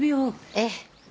ええ。